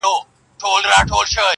نه هغه تللې زمانه سته زه به چیري ځمه-